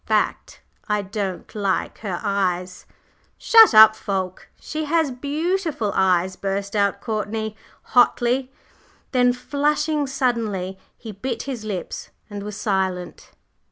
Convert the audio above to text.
Fact! I don't like her eyes." "Shut up, Fulke! She has beautiful eyes!" burst out Courtney, hotly; then flushing suddenly he bit his lips and was silent.